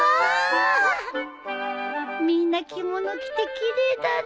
みんな着物着て奇麗だね。